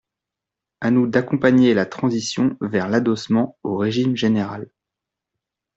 À nous d’accompagner la transition vers l’adossement au régime général.